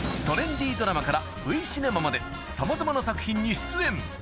トレンディードラマからＶシネマまでさまざまな作品に出演